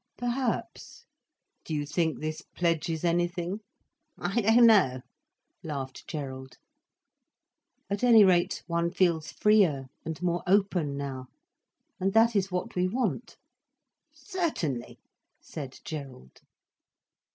"Perhaps. Do you think this pledges anything?" "I don't know," laughed Gerald. "At any rate, one feels freer and more open now—and that is what we want." "Certainly," said Gerald.